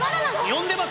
呼んでます！